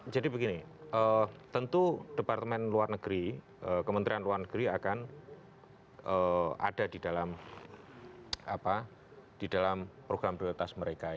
jadi begini tentu departemen luar negeri kementerian luar negeri akan ada di dalam program prioritas mereka